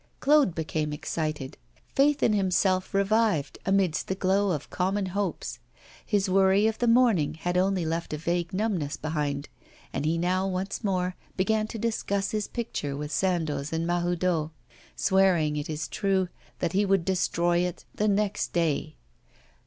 Claude became excited. Faith in himself revived amidst the glow of common hopes. His worry of the morning had only left a vague numbness behind, and he now once more began to discuss his picture with Sandoz and Mahoudeau, swearing, it is true, that he would destroy it the next day.